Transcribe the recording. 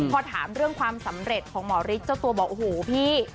พอถามเรื่องความสำเร็จของหมอฤทธิ์เจ้าตัวบอกโอ้โหพี่